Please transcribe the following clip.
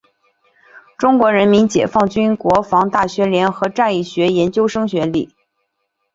中国人民解放军国防大学联合战役学研究生学历。